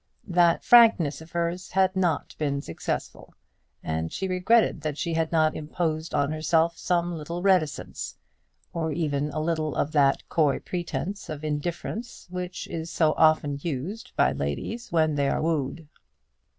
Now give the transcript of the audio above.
That frankness of hers had not been successful, and she regretted that she had not imposed on herself some little reticence, or even a little of that coy pretence of indifference which is so often used by ladies when they are wooed.